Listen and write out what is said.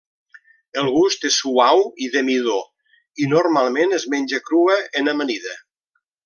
El gust és suau i de midó i normalment es menja crua en amanida.